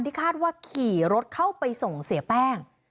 คาดว่าขี่รถเข้าไปส่งเสียแป้ง